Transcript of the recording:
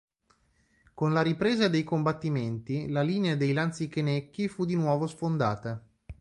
Con la ripresa dei combattimenti la linea dei lanzichenecchi fu di nuovo sfondata.